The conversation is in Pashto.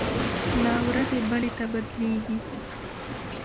له ورځې بلې ته بدلېږي.